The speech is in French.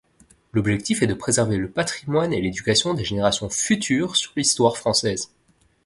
L'objectif est de préserver le patrimoine et l'éducation des générations futures sur l'histoire française.